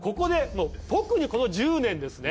もう特にこの１０年ですね。